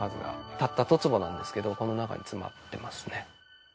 たった１０坪なんですけどこの中に詰まってますね。